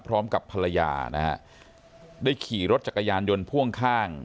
พร้อมกับภรรยานะฮะได้ขี่รถจักรยานยนต์พ่วงข้าง